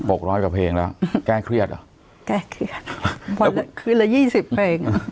หกร้อยกับเพลงแล้วแก้เครียดอ่ะแก้เครียดคือละยี่สิบเพลง